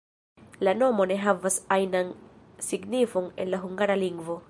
La nomo ne havas ajnan signifon en la hungara lingvo.